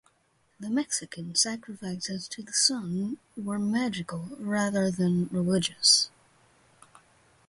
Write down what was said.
The Mexican sacrifices to the sun were magical rather than religious.